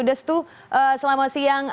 destu selamat siang